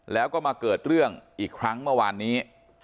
แล้วก็มาเกิดเรื่องอีกครั้งเมื่อวานนี้